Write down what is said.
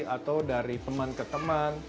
atau dari teman ke teman